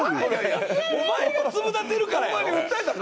お前が粒立てるからやろ！